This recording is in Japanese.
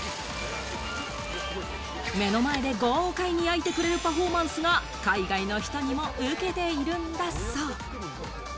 目の前で豪快に焼いてくれるパフォーマンスが海外の人にもウケているんだそう。